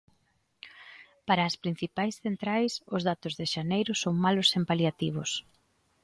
Para as principais centrais, os datos de xaneiro son "malos sen paliativos".